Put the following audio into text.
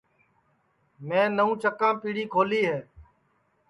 میں نوں چکام پیڑی کھولی ہے